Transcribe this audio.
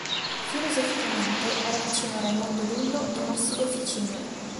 Filosoficamente, era vicino a Raimondo Lullo e Marsilio Ficino.